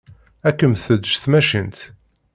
Ad kem-teǧǧ tmacint.